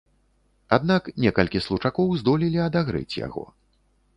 Аднак некалькі случакоў здолелі адагрэць яго.